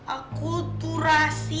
aku tuh rahasi